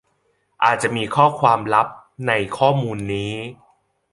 อาจจะมีข้อความลับในข้อมูลนี้